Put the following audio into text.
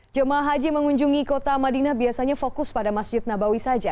jemaah haji mengunjungi kota madinah biasanya fokus pada masjid nabawi saja